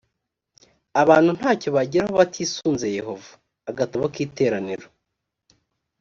abantu nta cyo bageraho batisunze yehova agatabo k iteraniro